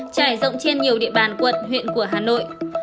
trải rộng trên nhiều địa bàn quận huyện của hà nội